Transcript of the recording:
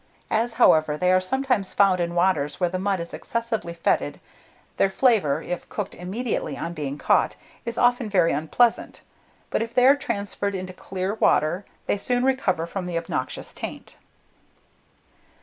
As, however, they are sometimes found in waters where the mud is excessively fetid, their flavour, if cooked immediately on being caught, is often very unpleasant; but if they are transferred into clear water, they soon recover from the obnoxious taint.